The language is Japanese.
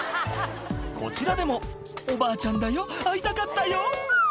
こちらでも「おばあちゃんだよ会いたかったよ」